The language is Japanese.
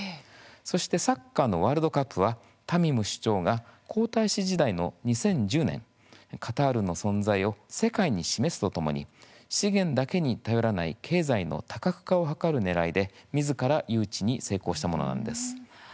そしてサッカーのワールドカップはタミム首長が皇太子時代の２０１０年、カタールの存在を世界に示すとともに資源だけに頼らない経済の多角化を図るねらいでみずから誘致に成功したものなんです。